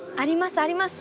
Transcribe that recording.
あります！